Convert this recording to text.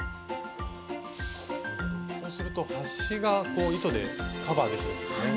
こうすると端が糸でカバーできるんですね。